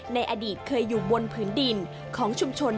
ในอดีตเคยอยู่บนพื้นดิน